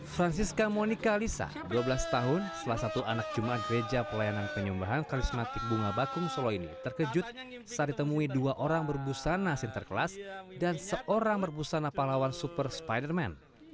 francisca monica alisa dua belas tahun salah satu anak jumat gereja pelayanan penyumbahan karismatik bunga bakung solo ini terkejut saat ditemui dua orang berbusana sinterklas dan seorang berbusana pahlawan super spiderman